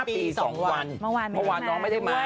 เมื่อวานไม่ได้มาเมื่อวานน้องไม่ได้มา